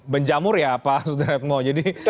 benjamur ya pak sudha ratmo jadi